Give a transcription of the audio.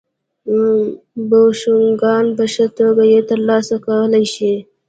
بوشونګان په ښه توګه یې ترسره کولای شي